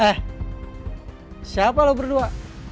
eh siapa lo berdua